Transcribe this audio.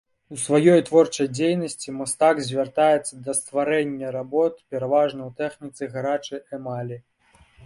У сваёй творчай дзейнасці мастак звяртаецца да стварэння работ пераважна у тэхніцы гарачай эмалі.